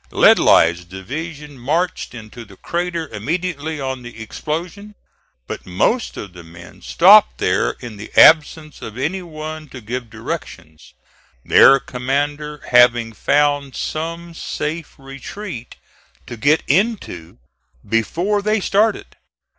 Ledlie's division marched into the crater immediately on the explosion, but most of the men stopped there in the absence of any one to give directions; their commander having found some safe retreat to get into before they started.